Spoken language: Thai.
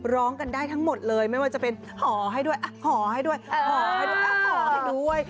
ร้องกันได้ทั้งหมดเลยไม่ว่าจะเป็นห่อให้ด้วยห่อให้ด้วยห่อให้ด้วยห่อให้ด้วย